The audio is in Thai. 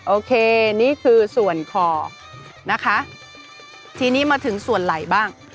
โอเคนี่คือส่วนคอนะคะทีนี้มาถึงส่วนไหลบ้าง